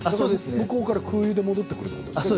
向こうから空輸で戻ってくるんですか。